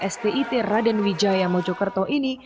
sti tera dan wijaya mojokerto ini